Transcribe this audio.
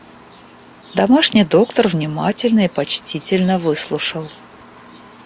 Домашний доктор внимательно и почтительно выслушал.